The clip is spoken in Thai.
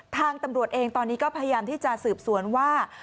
ทางตำรวจเองตอนนี้ก็พยายามที่จะสืบสวนว่า